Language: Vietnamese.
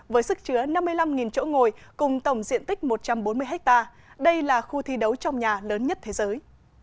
với sức chứa năm mươi năm chỗ ngồi cùng tổng diện tích một trăm bốn mươi ha đây là khu thi đấu trong nhà lớn nhất thế giới